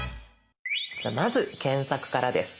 じゃあまず検索からです。